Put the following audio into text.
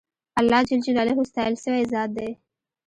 اللهﷻ ستایل سوی ذات دی.